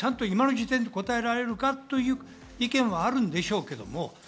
今の時点で答えられるかという意見はあるんでしょうけども。